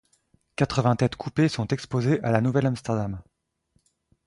Quatre-vingt têtes coupées sont exposées à la Nouvelle-Amsterdam.